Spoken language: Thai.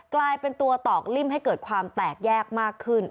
กลายเป็นตัวตอกลิ่มให้เกิดความแตกแยกมากขึ้น